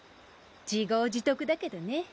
自業自得だけどね。